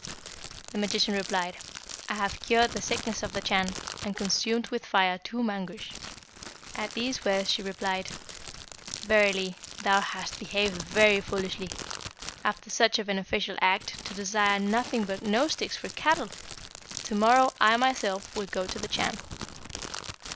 The magician replied, 'I have cured the sickness of the Chan, and consumed with fire two Mangusch.' At these words she replied, 'Verily, thou hast behaved very foolishly. After such a beneficial act, to desire nothing but nose sticks for cattle! To morrow I myself will go to the Chan.'